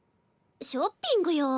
ショッピングよ。